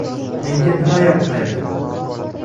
Menga nima yoqmaydi?